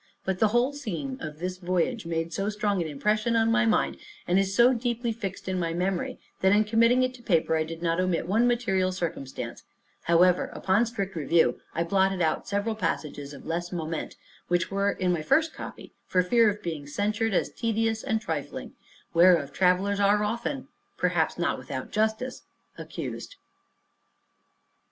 But the whole scene of this voyage made so strong an impression on my mind, and is so deeply fixed in my memory, that in committing it to paper I did not omit one material circumstance; however, upon strict review, I blotted out several passages of less moment, which were in my first copy, for fear of being censured as tedious and trifling, whereof travellers are often, perhaps not without justice, accused.